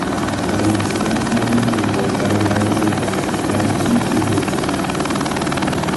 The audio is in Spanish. Tayikistán tiene que importar grano de Kazajistán y Uzbekistán.